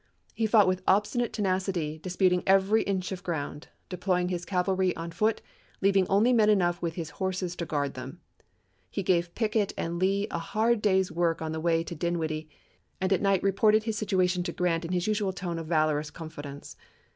He fought with obstinate tenacity, Vp!e2i:' disputing every inch of ground, deploying his cav alry on foot, leaving only men enough with his horses to guard them. He gave Pickett and Lee a hard day's work on the way to Dinwiddie, and at night reported his situation to Grant in his usual tone of valorous confidence.